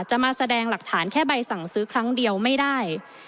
จะมาแสดงหลักฐานแค่ใบสั่งซื้อครั้งเดียวไม่ได้